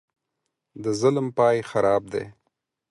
د ظلم پاى خراب دى.